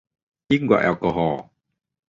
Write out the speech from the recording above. ยิ่งกว่าแอลกอฮอล์